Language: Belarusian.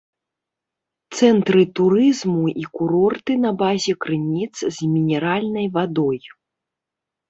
Цэнтры турызму і курорты на базе крыніц з мінеральнай вадой.